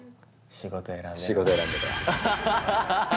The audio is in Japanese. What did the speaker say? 仕事選んでるわ。